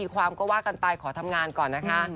ความก็ว่ากันไปขอทำงานก่อนนะคะ